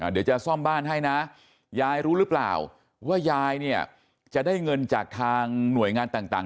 เดี๋ยวจะซ่อมบ้านให้นะยายรู้หรือเปล่าว่ายายเนี่ยจะได้เงินจากทางหน่วยงานต่าง